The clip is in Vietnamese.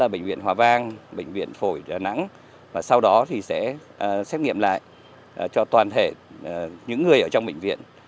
bệnh viện hòa vang bệnh viện phổi đà nẵng và sau đó sẽ xét nghiệm lại cho toàn thể những người ở trong bệnh viện